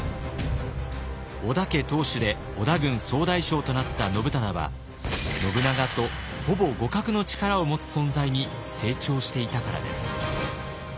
織田家当主で織田軍総大将となった信忠は信長とほぼ互角の力を持つ存在に成長していたからです。